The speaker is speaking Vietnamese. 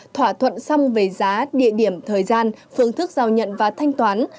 thỏa thuận xong về giá địa điểm thời gian phương thức giao nhận và thanh toán